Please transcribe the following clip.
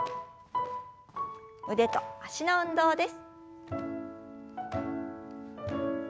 腕と脚の運動です。